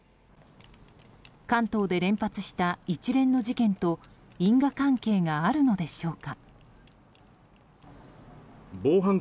関東で連発した一連の事件と因果関係があるのでしょうか。